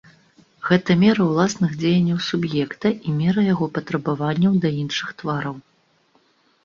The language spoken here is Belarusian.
Гэта мера ўласных дзеянняў суб'екта і мера яго патрабаванняў да іншых твараў.